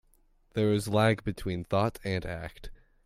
There is a lag between thought and act.